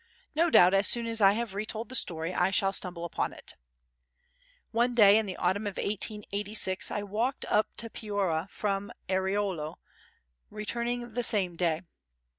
No doubt as soon as I have retold the story I shall stumble upon it. One day in the autumn of 1886 I walked up to Piora from Airolo, returning the same day.